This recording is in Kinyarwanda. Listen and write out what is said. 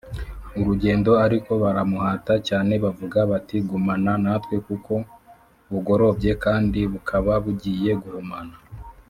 urugendo Ariko baramuhata cyane bavuga bati gumana natwe kuko bugorobye kandi bukaba bugiye guhumana